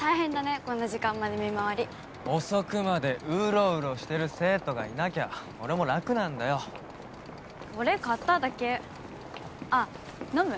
こんな時間まで見回り遅くまでウロウロしてる生徒がいなきゃ俺も楽なんだよこれ買っただけあッ飲む？